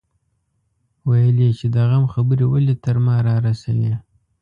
ويل يې چې د غم خبرې ولې تر ما رارسوي.